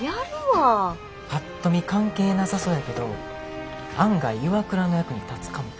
ぱっと見関係なさそうやけど案外ＩＷＡＫＵＲＡの役に立つかも。